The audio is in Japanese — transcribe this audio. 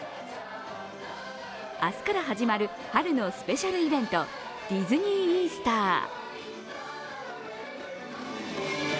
明日から始まる春のスペシャルイベント、ディズニー・イースター。